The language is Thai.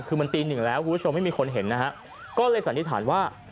คือมันตีหนึ่งแล้วคุณผู้ชมไม่มีคนเห็นนะฮะก็เลยสันนิษฐานว่า